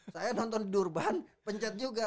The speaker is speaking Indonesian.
saya nonton di durban pencet juga